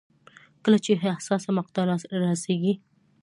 کله چې حساسه مقطعه رارسېږي.